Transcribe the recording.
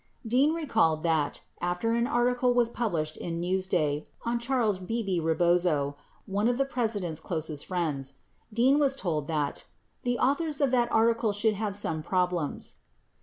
56 Dean recalled that, after an article was published in Newsday on Charles ("Bebe") Bebozo, one of the President's closest friends, Dean was told that the "authors of that article should have some prob lems."